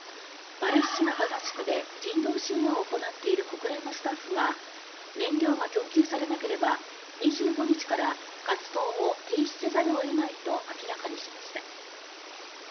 パレスチナ・ガザ地区で人道支援を行っている国連のスタッフが燃料が供給されなければ２５日から活動を停止せざるを得ないと明らかにしました。